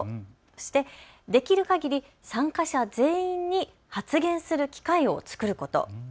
そしてできるかぎり参加者全員に発言する機会を作ること。